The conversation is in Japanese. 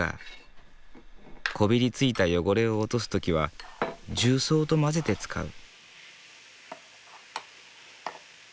こびりついた汚れを落とす時は重曹と混ぜて使う。